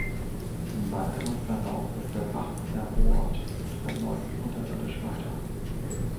Im weiteren Verlauf ist der Bach verrohrt und verläuft unterirdisch weiter.